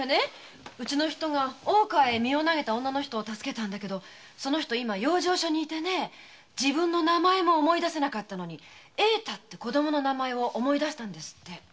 うちの人が大川に身を投げた女の人を助けたんだけどその人今養生所にいてね自分の名前も思い出せなかったのに栄太って子供の名前を思い出したんですって。